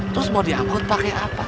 terus mau diangkut pakai apa